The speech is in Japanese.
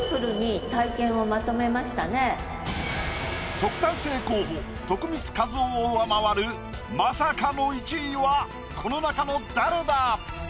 特待生候補徳光和夫を上回るまさかの１位はこの中の誰だ